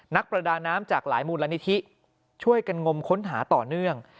นักประดาน้ำจากหลายมูลนิธิช่วยกันงมค้นหาต่อเนื่อง